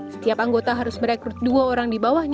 setiap anggota harus merekrut dua orang di bawahnya